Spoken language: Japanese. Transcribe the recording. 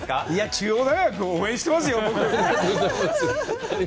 中央大学を応援していますよ。